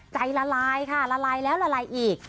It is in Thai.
ละลายค่ะละลายแล้วละลายอีก